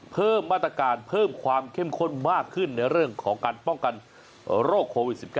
เพิ่มมาตรการเพิ่มความเข้มข้นมากขึ้นในเรื่องของการป้องกันโรคโควิด๑๙